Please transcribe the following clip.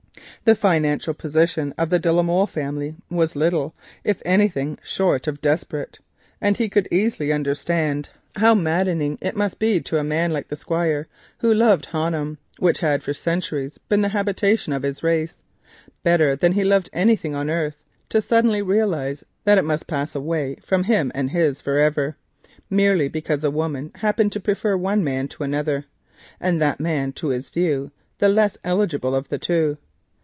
The financial position of the de la Molle family was little, if anything, short of desperate. He could easily understand how maddening it must be to a man like Mr. de la Molle, who loved Honham, which had for centuries been the home of his race, better than he loved anything on earth, to suddenly realise that it must pass away from him and his for ever, merely because a woman happened to prefer one man to another, and that man, to his view, the less eligible of the two.